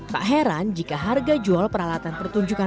tak heran jika harga jual peralatan pertunjukan